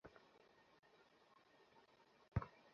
যেদিন সে পানি পান করত সেদিন কূপের সমস্ত পানি নিঃশেষ করে ফেলত।